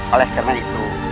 oleh karena itu